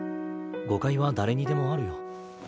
誤解は誰にでもあるよ。